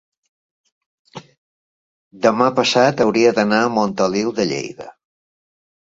demà passat hauria d'anar a Montoliu de Lleida.